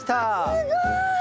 すごい！